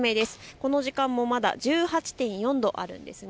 この時間まだ１８．４度あります。